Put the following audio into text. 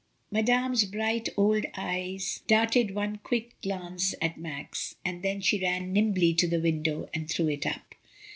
Madame's bright old eyes darted one quick glance at Max, and then she ran nimbly to the window and threw it up.